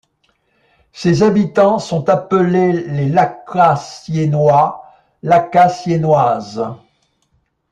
Ses habitants sont appelés les Lacassaignois, Lacassaignoises.